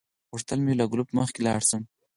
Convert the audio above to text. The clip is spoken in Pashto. غوښتل مې له ګروپ مخکې لاړ شم.